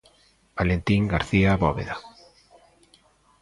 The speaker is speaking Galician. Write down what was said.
Valentín García Bóveda.